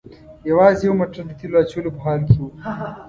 یوازې یو موټر د تیلو اچولو په حال کې و.